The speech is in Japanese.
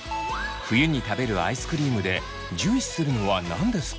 冬に食べるアイスクリームで重視するのは何ですか？